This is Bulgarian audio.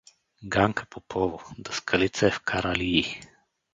Ганка Попова, даскалица е в Каралии.